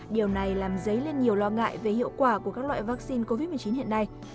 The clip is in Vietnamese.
điều này làm dấy lên nhiều lo ngại về hiệu quả của các loại vaccine covid một mươi chín hiện nay